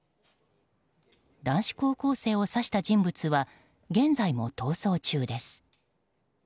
男子高校生を刺した人物は現在も逃走中です。